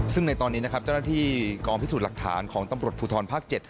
ซึ่งในตอนนี้นะครับเจ้าหน้าที่กองพิสูจน์หลักฐานของตำรวจภูทรภาค๗